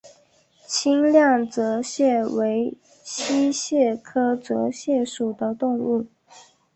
清亮泽蟹为溪蟹科泽蟹属的动物。